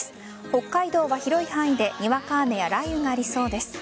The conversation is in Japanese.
北海道は広い範囲でにわか雨や雷雨がありそうです。